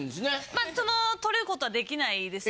まあその取ることはできないですね。